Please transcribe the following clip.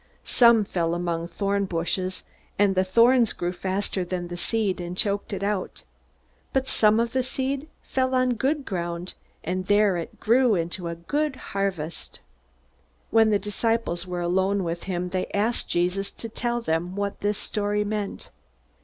Some fell among thornbushes; and the thorns grew faster than the seed, and choked it. But some of the seed fell on good ground, and there it grew into a good harvest." When the disciples were alone with him, they asked Jesus to tell them what this story meant.